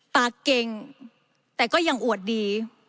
ปากเก่งแต่ก็ยังอวดดี